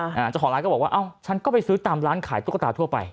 เจ้าของร้านก็บอกว่าอ้าวฉันก็ไปซื้อตามร้านขายตุ๊กตาทั่วไป